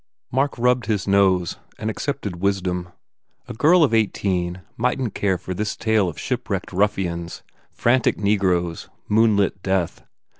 Mark rubbed his nose and accepted wisdom. A girl of eighteen mightn t care for this tale of shipwrecked ruffians, frantic negroes, moonlit death.